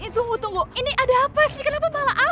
tunggu tunggu ini ada apa sih kenapa malah afif yang disalahin